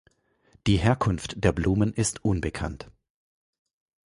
Die Herkunft der Blumen ist unbekannt.